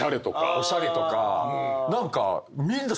おしゃれとか何か。